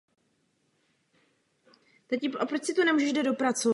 Poslední dvě dekády svého života strávil ve Valley Center v Kalifornii.